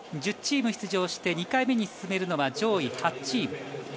１０チーム出場して２回目に進めるのは上位８チーム。